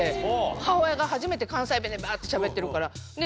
母親が初めて関西弁でバってしゃべってるから。